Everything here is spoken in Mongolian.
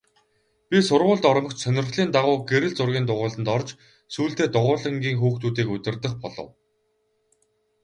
Би сургуульд ормогц сонирхлын дагуу гэрэл зургийн дугуйланд орж сүүлдээ дугуйлангийн хүүхдүүдийг удирдах болов.